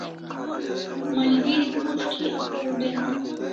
Malgeri prus't thi apaw den